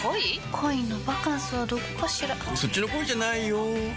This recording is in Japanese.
恋のバカンスはどこかしらそっちの恋じゃないよ